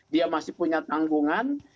dia masih punya tanggungan